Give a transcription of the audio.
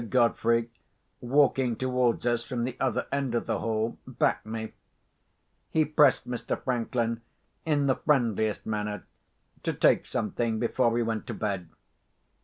Godfrey, walking towards us from the other end of the hall, backed me. He pressed Mr. Franklin, in the friendliest manner, to take something, before he went to bed.